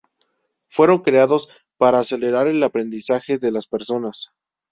Fueron creados para acelerar el aprendizaje de las personas.